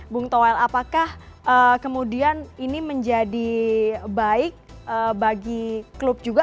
bung toel apakah kemudian ini menjadi baik bagi klub juga